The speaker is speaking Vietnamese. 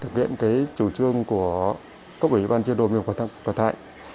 thực hiện cái chủ trương của cốc ủy ban chương đồng biên phòng cần thạnh